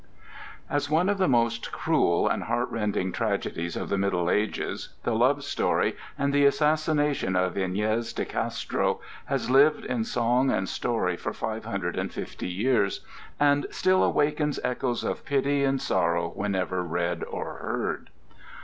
AS one of the most cruel and heart rending tragedies of the middle ages, the love story and the assassination of Iñez de Castro has lived in song and story for five hundred and fifty years, and still awakens echoes of pity and sorrow whenever read or heard.